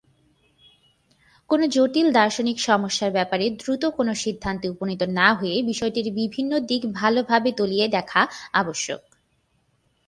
কোন জটিল দার্শনিক সমস্যার ব্যাপারে দ্রুত কোন সিদ্ধান্তে উপনীত না হয়ে বিষয়টির বিভিন্ন দিক ভালভাবে তলিয়ে দেখা আবশ্যক।